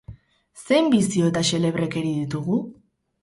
Zein bizio eta xelebrekeri ditugu?